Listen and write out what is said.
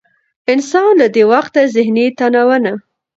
انسان له د وقتي ذهني تناو نه